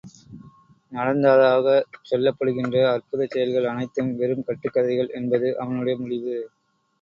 நடந்ததாகச் சொல்லப்படுகின்ற அற்புதச் செயல்கள் அனைத்தும் வெறும் கட்டுக் கதைகள் என்பது அவனுடைய முடிவு.